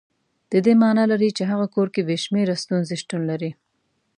د دې معنا لري چې هغه کور کې بې شمېره ستونزې شتون لري.